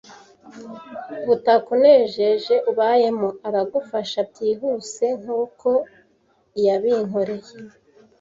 butakunejeje ubayemo aragufasha byihuse nkuko yabinkoreye,